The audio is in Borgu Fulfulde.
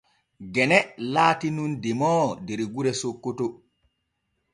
Gene laati nun demoowo der gure Sokkoto.